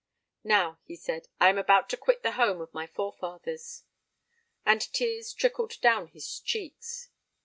"Now," he said, "I am about to quit the home of my forefathers." And tears trickled down his cheeks.